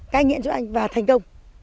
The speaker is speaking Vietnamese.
cai nghiện cho anh và thành công